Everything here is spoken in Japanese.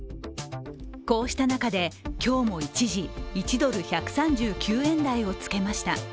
こうした中で今日も一時１ドル＝１３９円台をつけました。